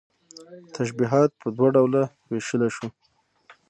تشبيهات په دوه ډوله ويشلى شو